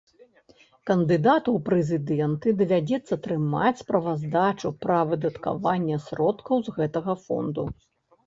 Кандыдату ў прэзідэнты давядзецца трымаць справаздачу пра выдаткаванне сродкаў з гэтага фонду.